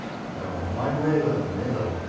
だからお前の映画でもねえだろ。